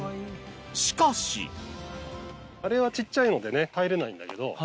しかしあれは小っちゃいので入れないんだけど。